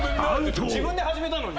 自分で始めたのに。